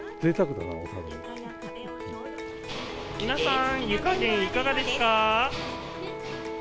皆さん、湯加減いかがですか？